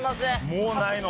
もうないの？